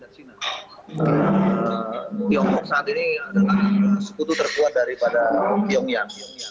tiongkok saat ini adalah sekutu terkuat daripada pyongyang